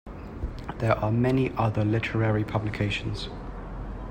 There are many other literary publications.